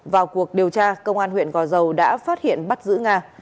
vào cuộc điều tra công an huyện gò dầu đã phát hiện bắt giữ nga